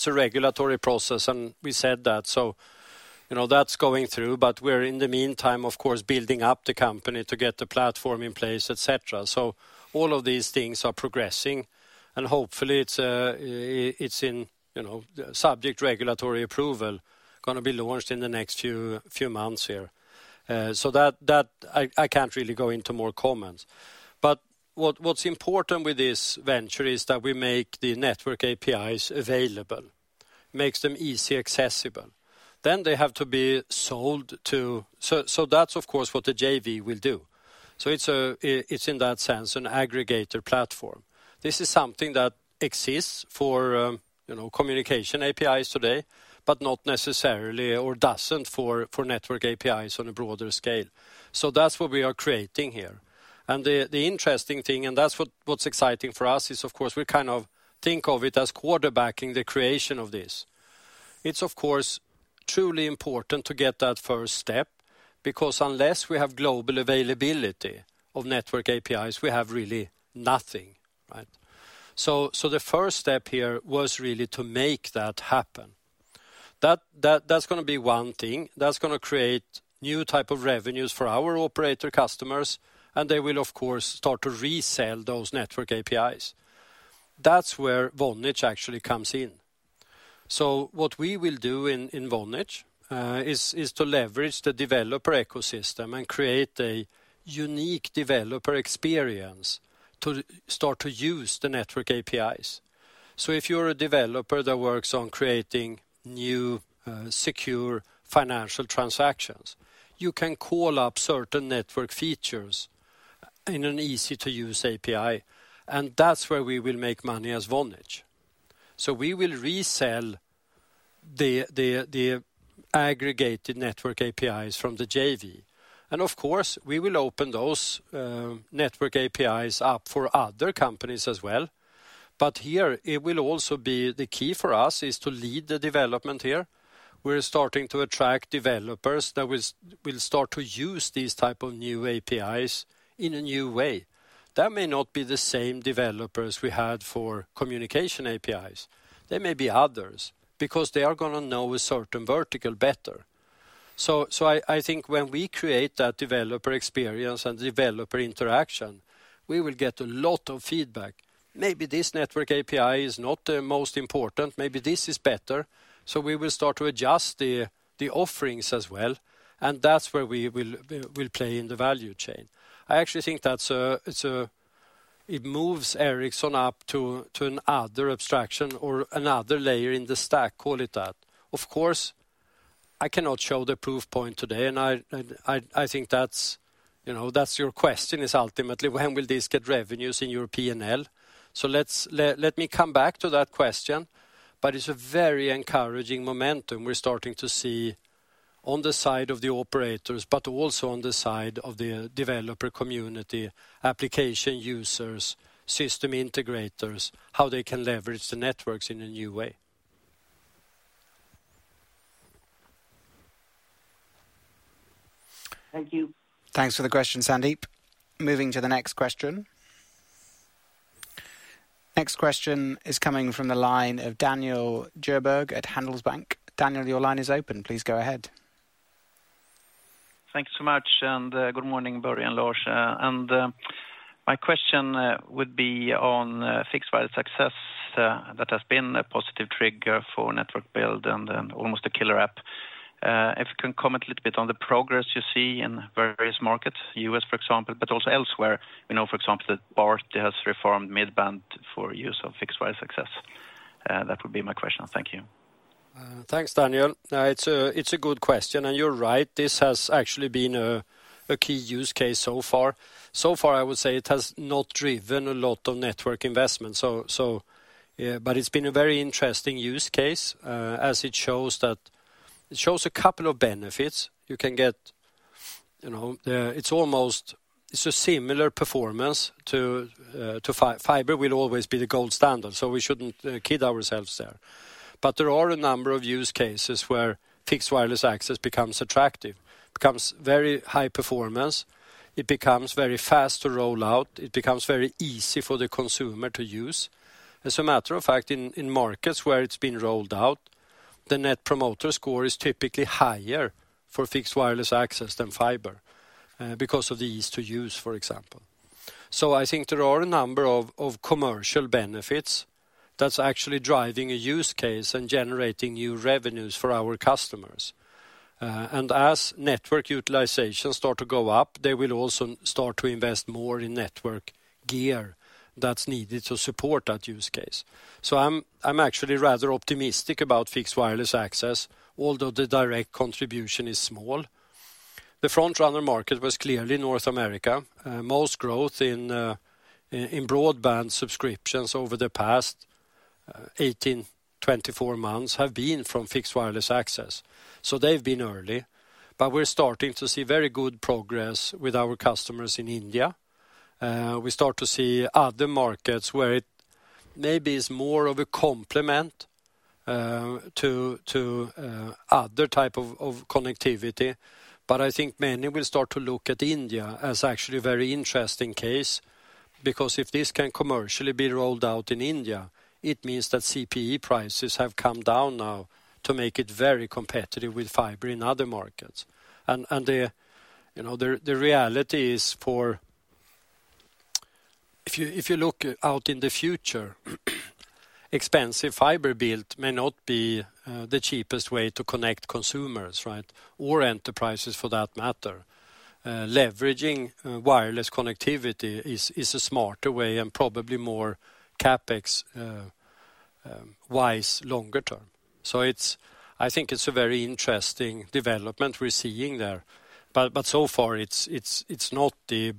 a regulatory process, and we said that. That's going through, but we're, in the meantime, of course, building up the company to get the platform in place, et cetera. So all of these things are progressing, and hopefully, it's subject regulatory approval, gonna be launched in the next few months here. So that, I can't really go into more comments. But what's important with this venture is that we make the network APIs available. Makes them easy accessible. Then they have to be sold to, so that's, of course, what the JV will do. So it's in that sense, an aggregator platform. This is something that exists for communication APIs today, but not necessarily or doesn't for network APIs on a broader scale. So that's what we are creating here, and the interesting thing, and that's what's exciting for us, is, of course, we kind of think of it as quarterbacking the creation of this. It's, of course, truly important to get that first step, because unless we have global availability of network APIs, we have really nothing, right? So the first step here was really to make that happen. That's gonna be one thing. That's gonna create new type of revenues for our operator customers, and they will, of course, start to resell those network APIs. That's where Vonage actually comes in. What we will do in Vonage is to leverage the developer ecosystem and create a unique developer experience to start to use the network APIs. So if you're a developer that works on creating new secure financial transactions, you can call up certain network features in an easy-to-use API, and that's where we will make money as Vonage. So we will resell the aggregated network APIs from the JV. And of course, we will open those network APIs up for other companies as well. But here, it will also be the key for us is to lead the development here. We're starting to attract developers that will start to use these type of new APIs in a new way. That may not be the same developers we had for communication APIs. They may be others, because they are gonna know a certain vertical better, when we create that developer experience and developer interaction, we will get a lot of feedback. Maybe this network API is not the most important, maybe this is better, so we will start to adjust the offerings as well, and that's where we will play in the value chain. I actually think that's it. It moves Ericsson up to another abstraction or another layer in the stack, call it that. Of course, I cannot show the proof point today, and that's your question, is ultimately, when will this get revenues in your P&L? Let me come back to that question, but it's a very encouraging momentum we're starting to see on the side of the operators, but also on the side of the developer community, application users, system integrators, how they can leverage the networks in a new way. Thank you. Thanks for the question, Sandeep. Moving to the next question. Next question is coming from the line of Daniel Djurberg at Handelsbanken. Daniel, your line is open. Please go ahead. Thanks so much, and good morning, Börje and Lars. My question would be on fixed wireless access that has been a positive trigger for network build and almost a killer app. If you can comment a little bit on the progress you see in various markets, US, for example, but also elsewhere. We know, for example, that Bharti has refarmed mid-band for use of fixed wireless access. That would be my question. Thank you. Thanks, Daniel. It's a good question, and you're right, this has actually been a key use case so far. So far, I would say it has not driven a lot of network investment. But it's been a very interesting use case as it shows a couple of benefits. You can get, it's almost a similar performance to fiber. Fiber will always be the gold standard, so we shouldn't kid ourselves there. But there are a number of use cases where fixed wireless access becomes attractive, becomes very high performance, it becomes very fast to roll out, it becomes very easy for the consumer to use. As a matter of fact, in markets where it's been rolled out, the Net Promoter Score is typically higher for Fixed Wireless Access than fiber, because of the ease to use, for example. There are a number of commercial benefits that's actually driving a use case and generating new revenues for our customers. And as network utilization start to go up, they will also start to invest more in network gear that's needed to support that use case. So I'm actually rather optimistic about Fixed Wireless Access, although the direct contribution is small. The front-runner market was clearly North America. Most growth in broadband subscriptions over the past eighteen, twenty-four months have been from Fixed Wireless Access. So they've been early, but we're starting to see very good progress with our customers in India. We start to see other markets where it maybe is more of a complement to other type of connectivity. Many will start to look at India as actually a very interesting case, because if this can commercially be rolled out in India, it means that CPE prices have come down now to make it very competitive with fiber in other markets. The reality is for, If you look out in the future, expensive fiber build may not be the cheapest way to connect consumers, right? Or enterprises, for that matter. Leveraging wireless connectivity is a smarter way and probably more CapEx efficient [inaudible] otherwise longer term. It's a very interesting development we're seeing there, but so far, it's not the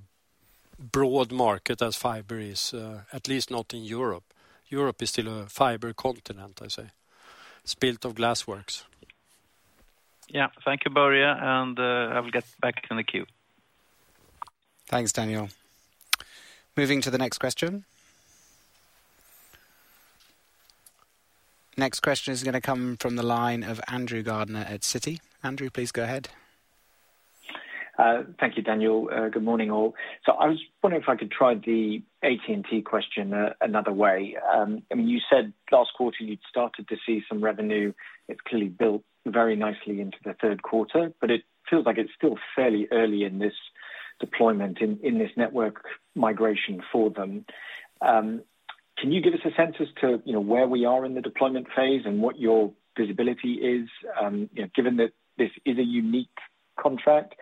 broad market as fiber is, at least not in Europe. Europe is still a fiber continent, I say, in spite of glassworks. Thank you, Börje, and I will get back in the queue. Thanks, Daniel. Moving to the next question. Next question is gonna come from the line of Andrew Gardiner at Citi. Andrew, please go ahead. Thank you, Daniel. Good morning, all. So I was wondering if I could try the AT&T question another way. You said last quarter you'd started to see some revenue. It's clearly built very nicely into the Q3, but it feels like it's still fairly early in this deployment, in this network migration for them. Can you give us a sense as to where we are in the deployment phase and what your visibility is? Given that this is a unique contract,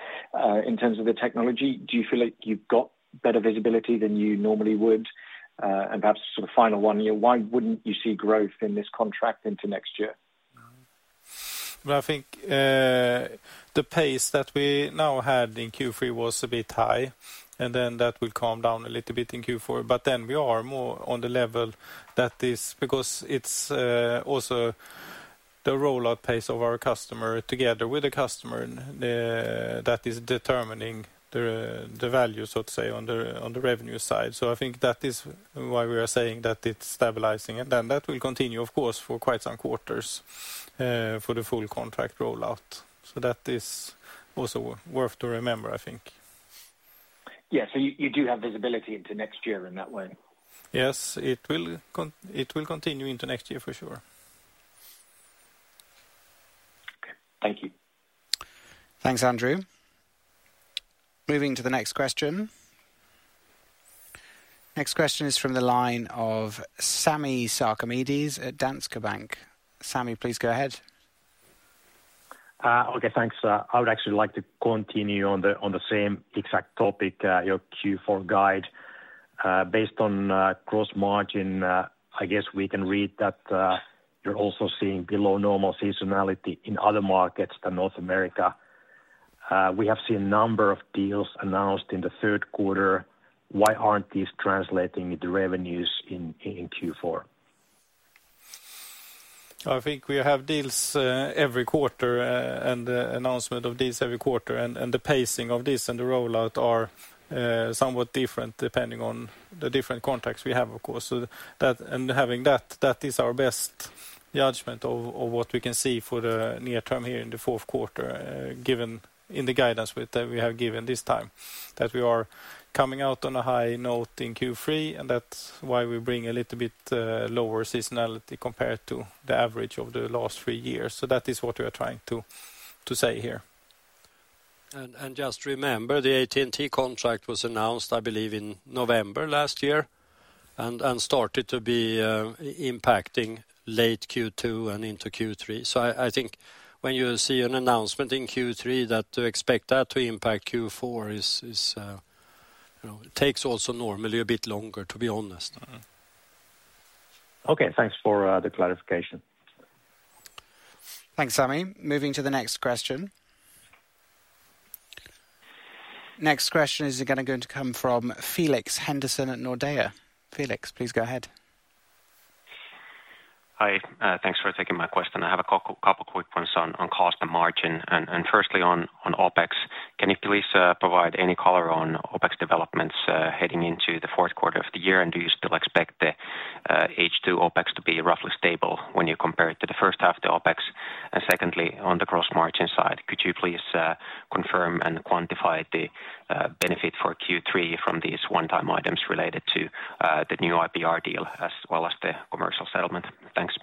in terms of the technology, do you feel like you've got better visibility than you normally would? And perhaps sort of final one year, why wouldn't you see growth in this contract into next year? The pace that we now had in Q3 was a bit high, and then that will calm down a little bit in Q4. But then we are more on the level that is... Because it's also the rollout pace of our customer, together with the customer, that is determining the value, so to say, on the revenue side. That is why we are saying that it's stabilizing, and then that will continue, of course, for quite some quarters, for the full contract rollout. So that is also worth to remember. You do have visibility into next year in that way? Yes, it will continue into next year for sure. Thank you. Thanks, Andrew. Moving to the next question. Next question is from the line of Sami Sarkamies at Danske Bank. Sami, please go ahead. Thanks. I would actually like to continue on the same exact topic, your Q4 guide. Based on gross margin, I guess we can read that you're also seeing below normal seasonality in other markets than North America. We have seen a number of deals announced in the Q3. Why aren't these translating into revenues in Q4? We have deals every quarter, and the announcement of deals every quarter, and the pacing of this and the rollout are somewhat different, depending on the different contracts we have, of course. So that and having that is our best judgment of what we can see for the near term here in the Q4, given in the guidance that we have given this time. That we are coming out on a high note in Q3, and that's why we bring a little bit lower seasonality compared to the average of the last three years. So that is what we are trying to say here. Just remember, the AT&T contract was announced, I believe, in November last year, and started to be impacting late Q2 and into Q3. When you see an announcement in Q3, that to expect that to impact Q4 is, takes also normally a bit longer, to be honest. Thanks for the clarification. Thanks, Sami Moving to the next question. Next question is gonna come from Felix Henriksson at Nordea. Felix, please go ahead. Hi, thanks for taking my question. I have a couple quick points on cost and margin and firstly on OpEx. Can you please provide any color on OpEx developments heading into the Q4 of the year? And do you still expect the H2 OpEx to be roughly stable when you compare it to the first half of the OpEx? And secondly, on the gross margin side, could you please confirm and quantify the benefit for Q3 from these one-time items related to the new IPR deal as well as the commercial settlement? Thanks.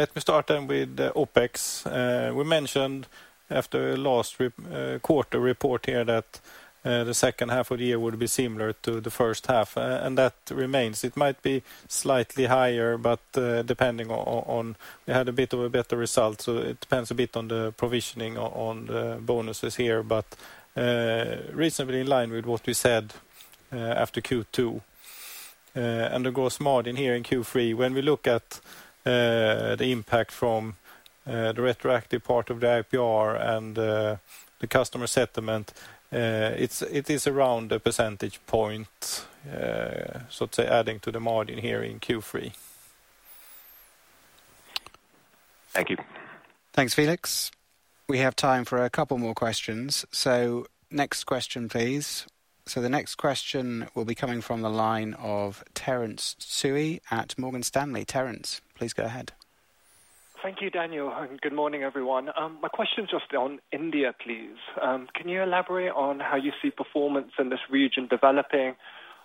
Let me start then with the OpEx. We mentioned after last quarter report here, that the second half of the year would be similar to the first half, and that remains. It might be slightly higher, but depending on, we had a bit of a better result, so it depends a bit on the provisioning on the bonuses here, but reasonably in line with what we said after Q2. And the gross margin here in Q3, when we look at the impact from the retroactive part of the IPR and the customer settlement, it is around a percentage point, so to say, adding to the margin here in Q3. Thank you. Thanks, Felix. We have time for a couple more questions. Next question, please. The next question will be coming from the line of Terence Tsui at Morgan Stanley. Terence, please go ahead. Thank you, Daniel, and good morning, everyone. My question just on India, please. Can you elaborate on how you see performance in this region developing?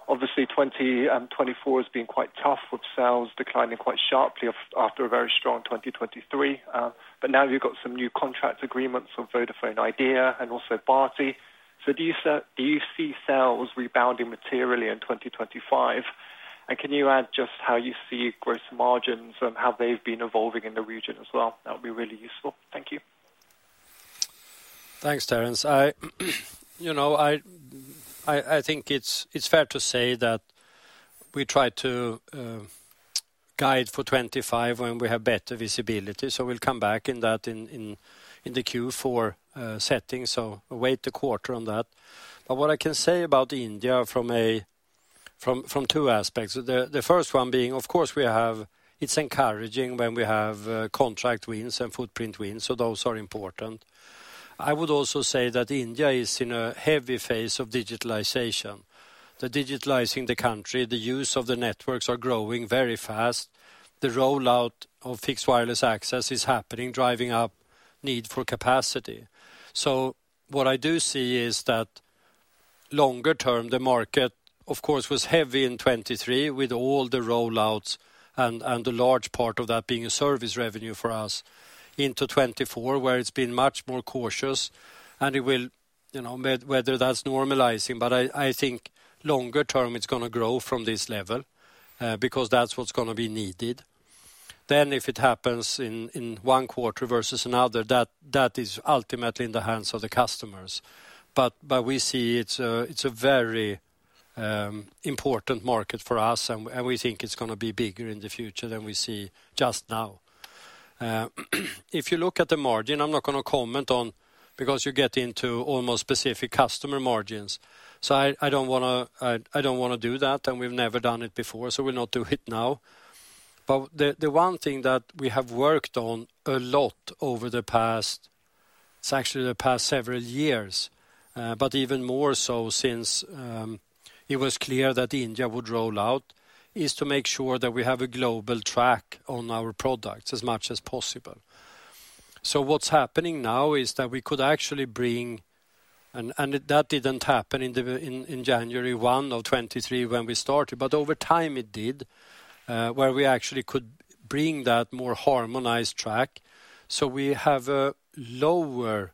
Obviously, 2024 has been quite tough, with sales declining quite sharply after a very strong 2023. But now you've got some new contract agreements with Vodafone Idea and also Bharti. Do you see sales rebounding materially in 2025? And can you add just how you see gross margins and how they've been evolving in the region as well? That would be really useful. Thank you. Thanks, Terence. It's fair to say that we try to guide for 25 when we have better visibility, so we'll come back to that in the Q4 setting. So wait for the quarter on that. But what I can say about India from two aspects. The first one being, of course, we have. It's encouraging when we have contract wins and footprint wins, so those are important. I would also say that India is in a heavy phase of digitalization. The digitalization of the country, the use of the networks are growing very fast. The rollout of fixed wireless access is happening, driving up need for capacity. What I do see is that longer term, the market, of course, was heavy in 2023, with all the rollouts and a large part of that being service revenue for us into 2024, where it's been much more cautious. It will whether that's normalizing, but longer term, it's gonna grow from this level, because that's what's gonna be needed. If it happens in one quarter versus another, that is ultimately in the hands of the customers. We see it's a very important market for us, and we think it's gonna be bigger in the future than we see just now. If you look at the margin, I'm not gonna comment on, because you get into almost specific customer margins. I don't wanna do that, and we've never done it before, so we'll not do it now. The one thing that we have worked on a lot over the past, it's actually the past several years, but even more so since it was clear that India would roll out, is to make sure that we have a global track on our products as much as possible. What's happening now is that we could actually bring... That didn't happen in January of 2023 when we started, but over time, it did, where we actually could bring that more harmonized track. We have a lower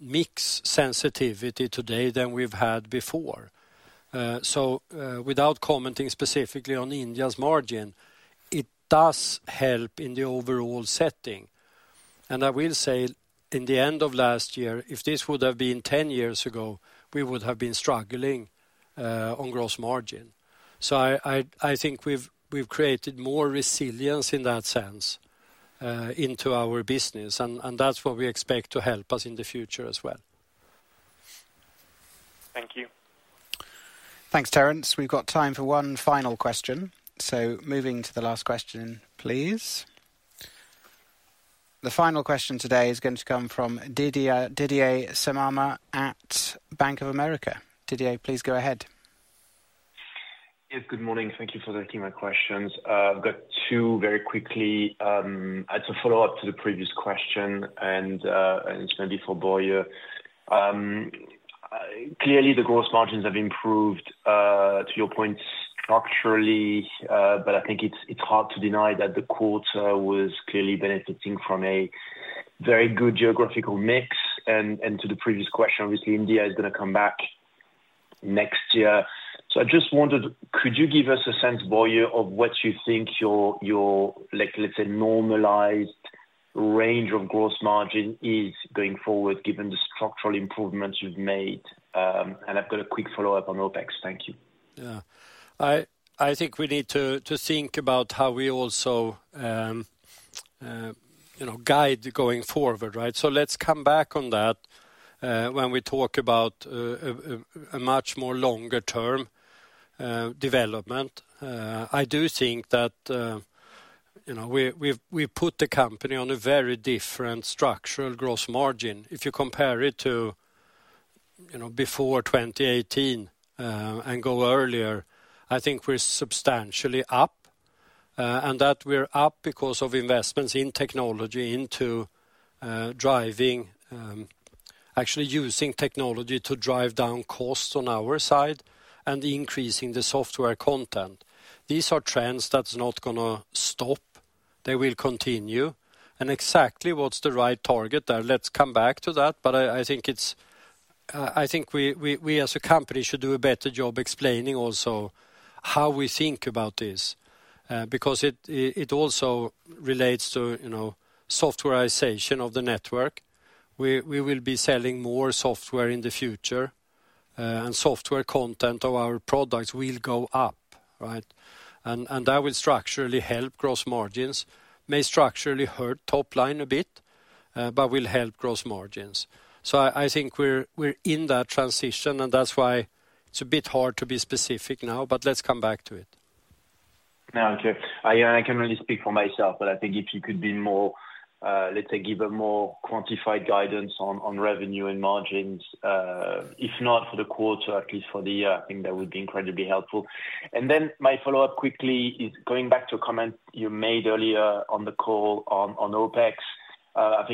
mix sensitivity today than we've had before. Without commenting specifically on India's margin, it does help in the overall setting. I will say, in the end of last year, if this would have been ten years ago, we would have been struggling on gross margin. We've created more resilience in that sense into our business, and that's what we expect to help us in the future as well. Thank you. Thanks, Terence. We've got time for one final question. So moving to the last question, please. The final question today is going to come from Didier Scemama at Bank of America. Didier, please go ahead. Good morning. Thank you for taking my questions. I've got two very quickly. As a follow-up to the previous question, and it's gonna be for Börje. Clearly, the gross margins have improved to your point, structurally, but it's hard to deny that the quarter was clearly benefiting from a very good geographical mix. And to the previous question, obviously, India is gonna come back next year. So I just wondered: Could you give us a sense, Börje, of what you think your like, let's say, normalized range of gross margin is going forward, given the structural improvements you've made? And I've got a quick follow-up on OpEx. Thank you. We need to think about how we also guide going forward, right? So let's come back on that, when we talk about a much more longer-term development. I do think that we put the company on a very different structural gross margin. If you compare it to, before twenty eighteen, and go earlier, we're substantially up, and that we're up because of investments in technology into, driving, actually using technology to drive down costs on our side and increasing the software content. These are trends that's not gonna stop. They will continue. And exactly what's the right target, let's come back to that. We as a company should do a better job explaining also how we think about this, because it also relates to softwarization of the network. We will be selling more software in the future, and software content of our products will go up, right? And that will structurally help gross margins, may structurally hurt top line a bit, but will help gross margins. We're in that transition, and that's why it's a bit hard to be specific now, Let's come back to it. I can really speak for myself, if you could be more, let's say, give a more quantified guidance on revenue and margins, if not for the quarter, at least for the year that would be incredibly helpful. And then my follow-up quickly is going back to a comment you made earlier on the call on OpEx.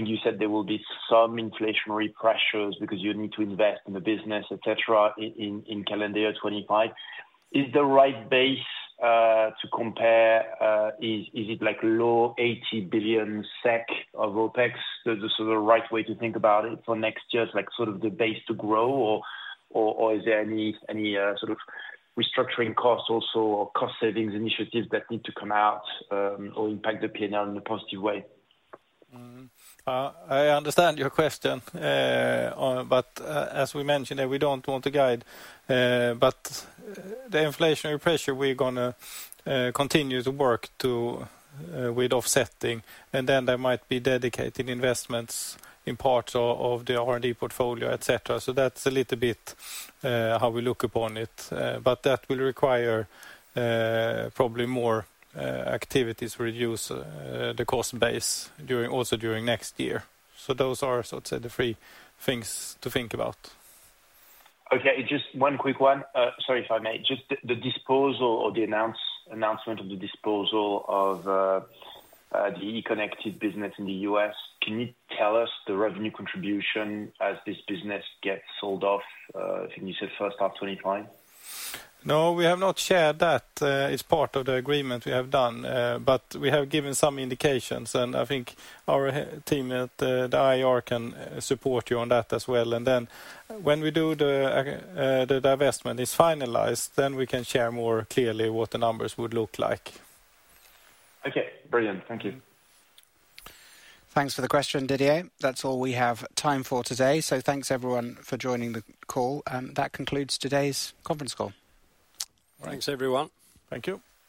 You said there will be some inflationary pressures because you need to invest in the business, et cetera, in calendar year 2025. Is the right base to compare, is it like low 80 billion SEK of OpEx? Is this the right way to think about it for next year, as, like, sort of the base to grow, or is there any sort of restructuring costs also, or cost savings initiatives that need to come out, or impact the P&L in a positive way? I understand your question, but as we mentioned, that we don't want to guide. But the inflationary pressure, we're gonna continue to work to with offsetting, and then there might be dedicated investments in parts of the R&D portfolio, et cetera, so that's a little bit how we look upon it, but that will require probably more activities to reduce the cost base during also during next year, so those are, sort of, say, the three things to think about. Okay, just one quick one. Sorry, if I may. Just the disposal or the announcement of the disposal of the iconectiv business in the US, can you tell us the revenue contribution as this business gets sold off? You said first half 2025. No, we have not shared that. It's part of the agreement we have done, but we have given some indications, and our IR team can support you on that as well. And then, when the divestment is finalized, then we can share more clearly what the numbers would look like. Okay, brilliant. Thank you. Thanks for the question, Didier. That's all we have time for today. Thanks, everyone, for joining the call. And that concludes today's conference call. Thanks, everyone. Thank you.